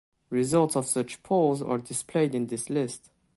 Results of such polls are displayed in this list.